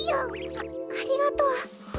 あありがとう。